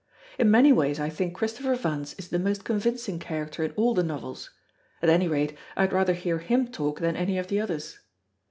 In many ways I think Christopher Vance is the most convincing character in all the novels; at any rate, I had rather hear him talk than any of the others.